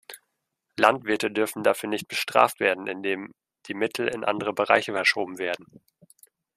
Landwirte dürfen dafür nicht bestraft werden, indem die Mittel in andere Bereiche verschoben werden.